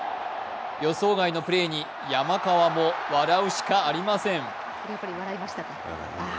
予想外のプレーに山川も笑うしかありません。